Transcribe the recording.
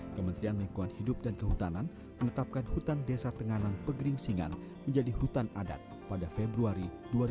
kementerian lingkuan hidup dan kehutanan menetapkan hutan desa tenganan pegeringsingan menjadi hutan adat pada februari dua ribu sembilan belas